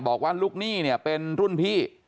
บอกว่าลูกหนี้เนี่ยเป็นรุ่นพี่